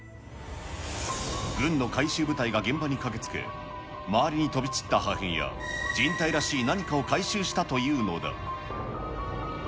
軍の回収部隊が現場に駆けつけ、周りに飛び散った破片や、人体らしい何かを回収したというのだ。